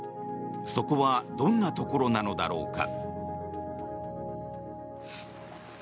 そこはどんなところなのだろうか。